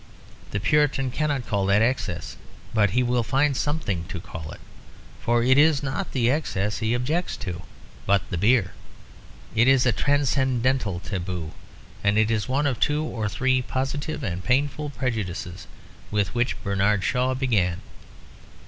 The Puritan cannot call that excess; but he will find something to call it. For it is not the excess he objects to, but the beer. It is a transcendental taboo, and it is one of the two or three positive and painful prejudices with which Bernard Shaw began.